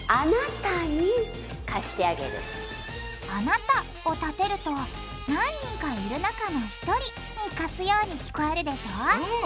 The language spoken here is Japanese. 「あなた」をたてると何人かいる中の１人に貸すように聞こえるでしょうん！